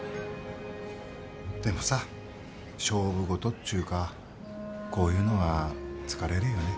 でもさ勝負事っちゅうかこういうのは疲れるよね。